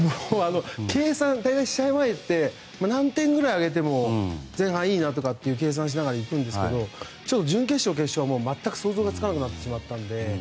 試合前って何点くらいあげても前半いいなとか計算しながら行くんですが準決勝、決勝は全く想像がつかなくなってしまったので。